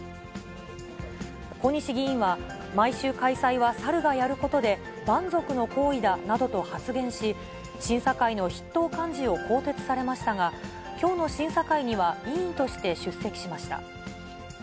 小西議員は、毎週開催は、サルがやることで、蛮族の行為だなどと発言し、審査会の筆頭幹事を更迭されましたが、きょうの審査会には、委員として出席しました。